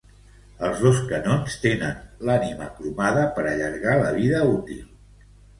Els dos canons tenen l'ànima cromada per allargar la vida útil.